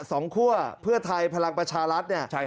คั่วเพื่อไทยพลังประชารัฐเนี่ย